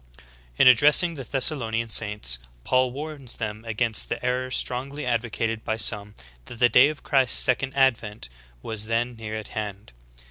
''^ 31. In addressing the Thessalonian saints, Paul warns them against the error strongly advocated by some that the day of Christ's second advent was then near at hand.